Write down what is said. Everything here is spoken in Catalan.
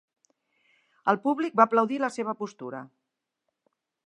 El públic va aplaudir la seva postura.